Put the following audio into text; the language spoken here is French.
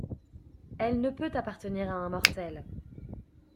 Elle ne peut appartenir à un mortel!